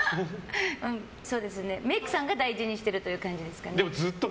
メイクさんが大事にしてるという感じですかね。